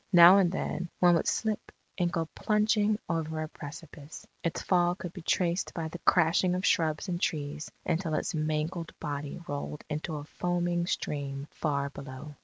Now and then, one would slip and go plunging over a precipice; its fall could be traced by the crashing of shrubs and trees until its mangled body rolled into a foaming stream far below.